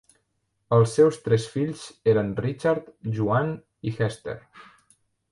Els seus tres fills eren Richard, Joan i Hester.